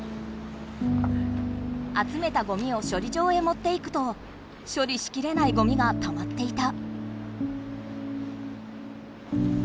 あつめたゴミを処理場へもっていくと処理しきれないゴミがたまっていた。